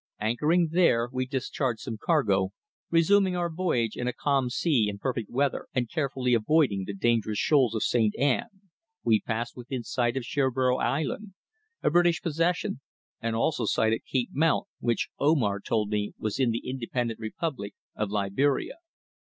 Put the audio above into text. Anchoring there, we discharged some cargo, resuming our voyage in a calm sea and perfect weather, and carefully avoiding the dangerous shoals of St. Ann, we passed within sight of Sherboro Island, a British possession, and also sighted Cape Mount, which Omar told me was in the independent republic of Liberia.